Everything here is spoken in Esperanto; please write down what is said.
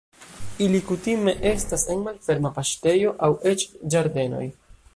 Ili kutime estas en malferma paŝtejo aŭ eĉ ĝardenoj.